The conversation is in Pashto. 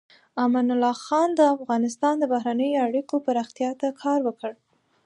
امان الله خان د افغانستان د بهرنیو اړیکو پراختیا ته کار وکړ.